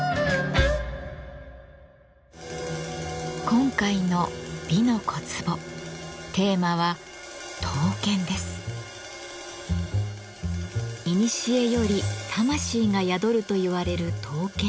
今回の「美の小壺」テーマはいにしえより魂が宿るといわれる刀剣。